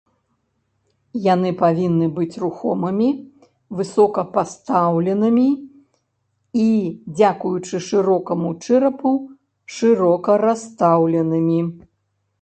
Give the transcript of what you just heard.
Яны павінны быць рухомымі, высока пастаўленымі і, дзякуючы шырокаму чэрапу, шырока расстаўленымі.